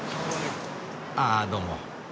ああどうも。